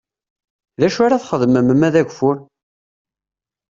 D acu ara txedmem ma d ageffur?